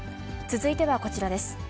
続いてはこちらです。